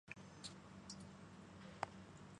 标准版收录了十八首曲目。